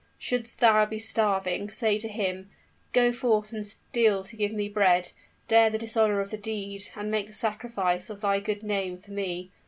Shouldst thou be starving, say to him, "Go forth and steal to give me bread; dare the dishonor of the deed, and make the sacrifice of thy good name for me.